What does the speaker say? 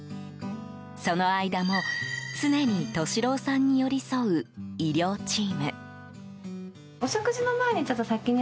その間も、常に利郎さんに寄り添う医療チーム。